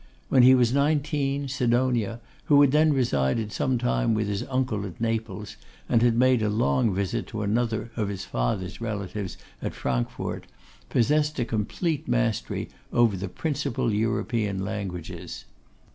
When he was nineteen, Sidonia, who had then resided some time with his uncle at Naples, and had made a long visit to another of his father's relatives at Frankfort, possessed a complete mastery over the principal European languages.